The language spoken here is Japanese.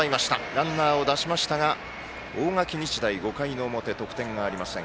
ランナーを出しましたが大垣日大、５回の表得点がありません。